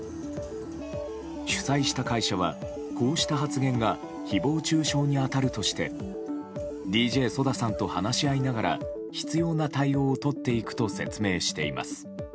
主催した会社は、こうした発言が誹謗中傷に当たるとしてＤＪＳＯＤＡさんと話し合いながら必要な対応をとっていくと説明しています。